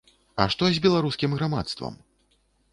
А што з беларускім грамадствам?